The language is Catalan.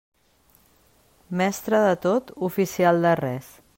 Mestre de tot, oficial de res.